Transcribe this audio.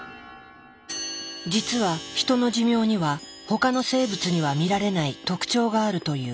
実はヒトの寿命には他の生物には見られない特徴があるという。